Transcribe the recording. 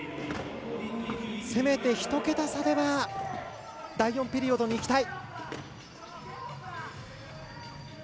せめて１桁差では第４ピリオドにいきたい。